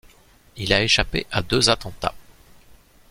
Il a échappé à deux attentats.